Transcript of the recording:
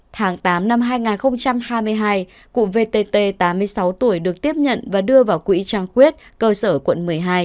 tháng tám năm hai nghìn hai mươi hai cụ vtt tám mươi sáu tuổi được tiếp nhận và đưa vào quỹ trang khuyết cơ sở quận một mươi hai